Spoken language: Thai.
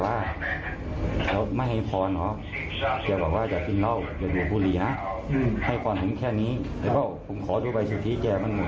ถอดมุนเจียรถรถมุนเจียรถเกี่ยวกับมุนเจียรถไหมครับ